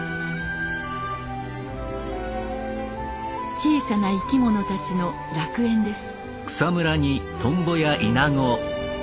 小さな生き物たちの楽園です。